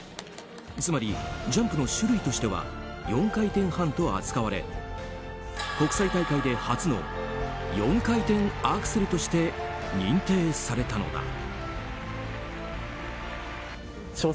つまり、ジャンプの種類としては４回転半と扱われ国際大会で初の４回転アクセルとして認定されたのだ。